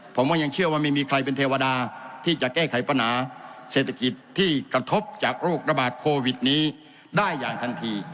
ผมก็ยังเชื่อว่าไม่มีใครเป็นเทวดาที่จะแก้ไขปัญหาเศรษฐกิจที่กระทบจากโรคระบาดโควิดนี้ได้อย่างทันที